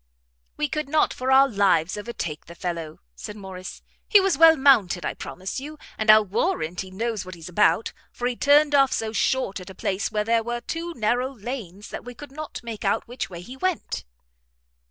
"We could not for our lives overtake the fellow," said Morrice; "he was well mounted, I promise you, and I'll warrant he knows what he's about, for he turned off so short at a place where there were two narrow lanes, that we could not make out which way he went."